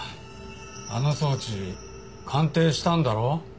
あの装置鑑定したんだろ？